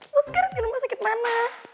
loh lo sekarang di rumah sakit mana